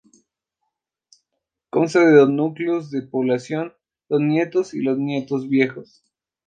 Consta de dos núcleos de población: Los Nietos y Los Nietos Viejos.